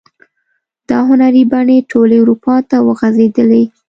دا هنري بڼې ټولې اروپا ته وغزیدلې.